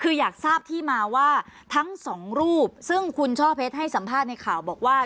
คืออยากทราบที่มาว่าทั้งสองรูปซึ่งคุณช่อเพชรให้สัมภาษณ์ในข่าวบอกว่า